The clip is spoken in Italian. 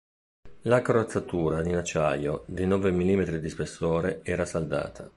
La corazzatura in acciaio, di nove millimetri di spessore, era saldata.